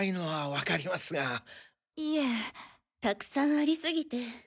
たくさんありすぎて。